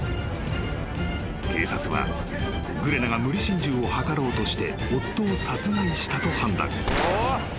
［警察はグレナが無理心中を図ろうとして夫を殺害したと判断］